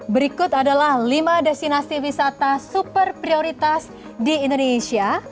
berikut adalah lima destinasi wisata super prioritas di indonesia